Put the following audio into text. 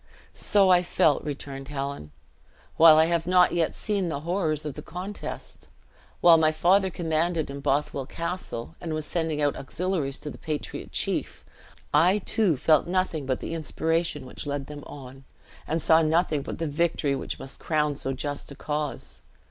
"So I felt," returned Helen, "while I have not yet seen the horrors of the contest. While my father commanded in Bothwell Castle, and was sending out auxiliaries to the patriot chief, I too felt nothing but the inspiration which led them on, and saw nothing but the victory which must crown so just a cause.